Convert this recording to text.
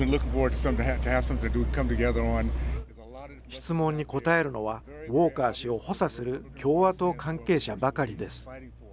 質問に答えるのは、ウォーカー氏を補佐する共和党関係者ばかりです。